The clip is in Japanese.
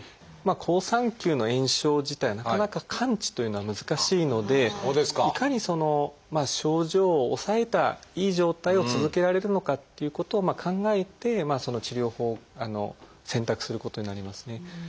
好酸球の炎症自体はなかなか完治というのは難しいのでいかにその症状を抑えたいい状態を続けられるのかっていうことを考えて治療法を選択することになりますね。